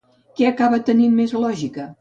Què acaba tenint més lògica?